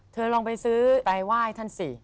ลองไปซื้อไปไหว้ท่านสิ